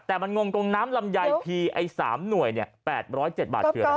แต่มันงงตรงน้ำลำไยพีไอ้๓หน่วย๘๐๗บาทคืออะไร